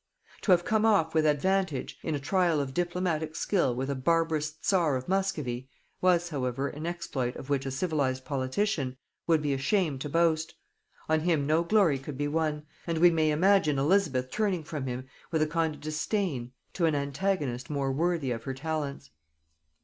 To have come off with advantage in a trial of diplomatic skill with a barbarous czar of Muscovy, was however an exploit of which a civilized politician would be ashamed to boast, on him no glory could be won, and we may imagine Elizabeth turning from him with a kind of disdain to an antagonist more worthy of her talents.